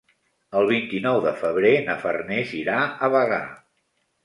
El vint-i-nou de febrer na Farners irà a Bagà.